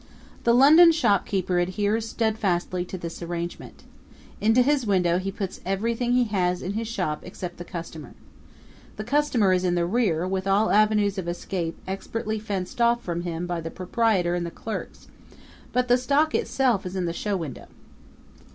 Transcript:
The London shopkeeper adheres steadfastly to this arrangement. Into his window he puts everything he has in his shop except the customer. The customer is in the rear, with all avenues of escape expertly fenced off from him by the proprietor and the clerks; but the stock itself is in the show window.